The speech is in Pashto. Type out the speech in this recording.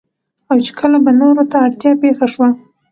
او چې کله به نورو ته اړتيا پېښه شوه